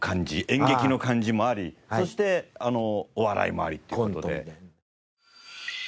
演劇の感じもありそしてお笑いもありっていう事で。